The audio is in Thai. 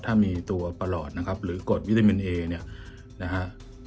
ถ้ามีตัวประหลอดนะครับหรือกดวิตามินเอเนี่ยนะฮะ